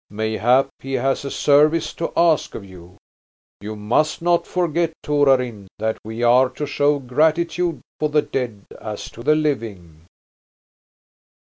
Mayhap he has a service to ask of you. You must not forget, Torarin, that we are to show gratitude to the dead as to the living."